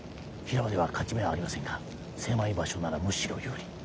平場では勝ち目はありませんが狭い場所ならむしろ有利。